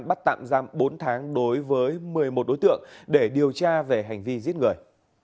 bắt tạm giam bốn tháng đối với một mươi một đối tượng để điều tra về hành vi giết người